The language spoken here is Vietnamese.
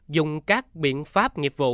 dùng các biện pháp nghiệp vụ